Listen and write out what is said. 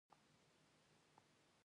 مرګ یو نا بللی میلمه ده .